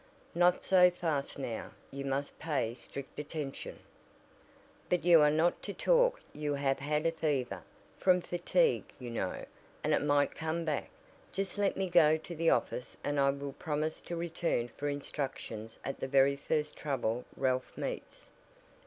"Not so fast now. You must pay strict attention " "But you are not to talk: you have had a fever, from fatigue, you know, and it might come back. Just let me go to the office and I will promise to return for instructions at the very first trouble Ralph meets."